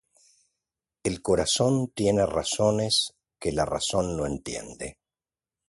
El corazón tiene razones que la razón no entiende